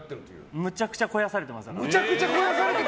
むちゃくちゃ肥やされてた！